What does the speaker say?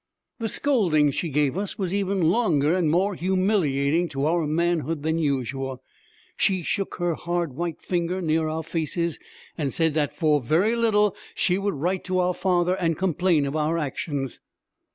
The scolding she gave us was even longer and more humiliating to our manhood than usual. She shook her hard white finger near our faces, and said that for very little she would write to our father and complain of our actions.